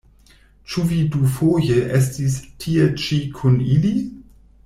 Ĉu vi dufoje estis tie-ĉi kun ili?